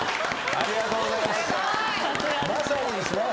ありがとうございます。